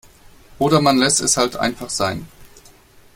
Oder man lässt es halt einfach sein.